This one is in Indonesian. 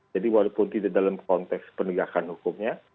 jadi walaupun tidak dalam konteks penegakan hukumnya